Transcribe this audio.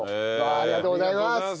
ありがとうございます。